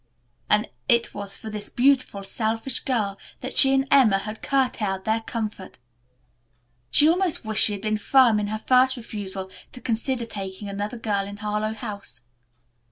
And it was for this beautiful, selfish girl that she and Emma had curtailed their comfort. She almost wished she had been firm in her first refusal to consider taking another girl into Harlowe House.